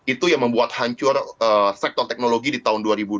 itu yang membuat hancur sektor teknologi di tahun dua ribu dua puluh